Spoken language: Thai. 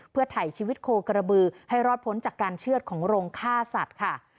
เพื่อถ่ายชีวิตโคกระบือให้รอดพ้นจากการเชื่อดของโรงฆ่าสัตว์ค่ะ